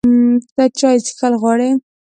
ته چای څښل غواړې؟